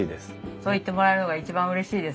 そう言ってもらえるのが一番うれしいです。